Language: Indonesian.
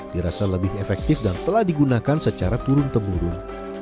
dirasa lebih efektif dan telah digunakan secara turun temurun